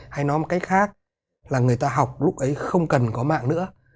hay nói một cách khác là người ta học lúc ấy không cần có mạng nữa